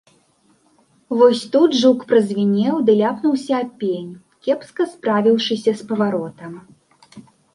Вось тут жук празвінеў ды ляпнуўся аб пень, кепска справіўшыся з паваротам.